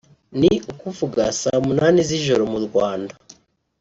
ni ukuvuga saa munani z’ijoro mu Rwanda